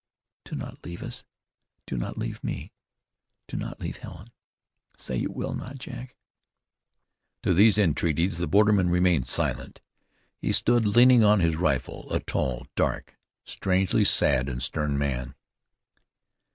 Do not leave us! Do not leave me! Do not leave Helen! Say you will not, Jack." To these entreaties the borderman remained silent. He stood leaning on his rifle, a tall, dark, strangely sad and stern man.